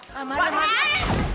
keluar temannya keluar